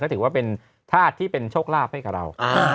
ถือว่าเป็นธาตุที่เป็นโชคลาภให้กับเรา